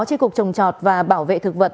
chi cục trồng trọt và bảo vệ thực vật